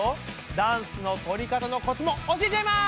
ダンスの撮りかたのコツも教えちゃいます！